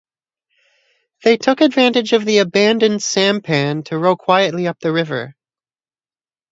They took advantage of the abandoned sampan to row quietly up the river.